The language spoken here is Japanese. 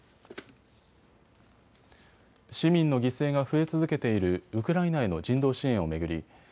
市民の犠牲が増え続けているウクライナへの人道支援を巡り